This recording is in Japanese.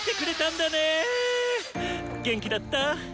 元気だった？